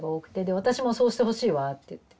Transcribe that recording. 「私もそうしてほしいわ」って言ってて。